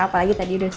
apalagi tadi udah sarap